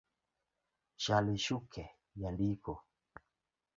Shali Shuke - Jandiko